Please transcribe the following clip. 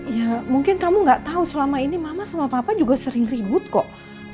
ya mungkin kamu gak tahu selama ini mama sama papa juga sering ribut kok